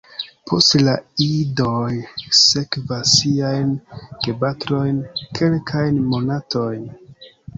Poste la idoj sekvas siajn gepatrojn kelkajn monatojn.